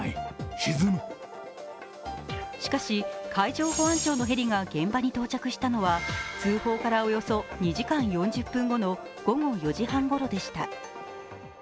しかし、海上保安庁のヘリが現場に到着したのは通報からおよそ２時間４０分後の午後４時半ごろでした。